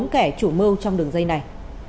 bốn kẻ chủ mưu trong đường dây này